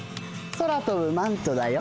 空とぶマントだよ。